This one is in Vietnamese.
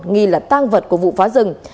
nghi là tăng vật của vụ phá rừng